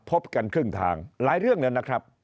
พบกันครึ่งทางหลายเรื่องเลยนะครับ